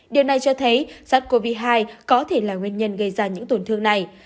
điều này cho thấy sars cov hai có thể là nguyên nhân gây ra những tổn thương này